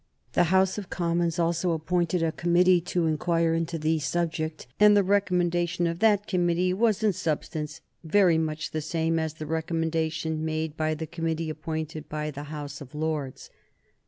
The House of Commons also appointed a committee to inquire into the subject, and the recommendation of that committee was in substance very much the same as the recommendation made by the committee appointed by the House of Lords.